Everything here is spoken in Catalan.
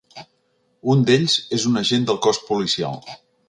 Un d’ells és un agent del cos policial.